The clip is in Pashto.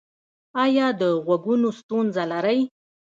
ایا د غوږونو ستونزه لرئ؟